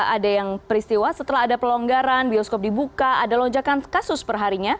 ada yang peristiwa setelah ada pelonggaran bioskop dibuka ada lonjakan kasus perharinya